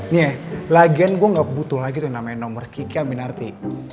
nih lagian gue gak butuh lagi tuh yang namanya nomor kiki aminarti